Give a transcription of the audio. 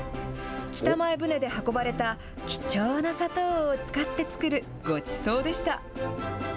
北前船で運ばれた貴重な砂糖を使って作る、ごちそうでした。